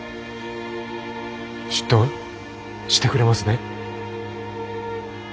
出頭してくれますね？